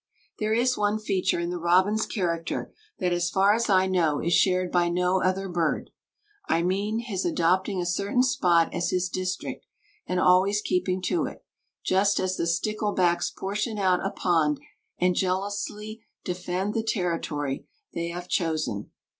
There is one feature in the robin's character that, as far as I know, is shared by no other bird; I mean his adopting a certain spot as his district and always keeping to it, just as the stickle backs portion out a pond and jealously defend the territory they have chosen.